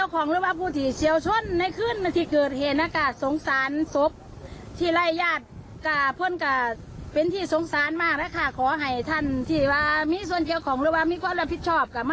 เข้ามาสงสารเพื่อนมนุษย์ด้วยกันนะคะ